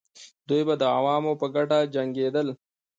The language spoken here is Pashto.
دوی به د عوامو په ګټه جنګېدل.